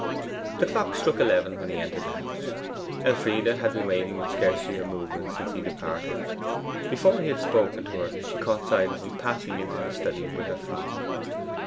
The clock struck eleven when he entered the house. Elfride had been waiting with scarcely a movement since he departed. Before he had spoken to her she caught sight of him passing into the study with her father.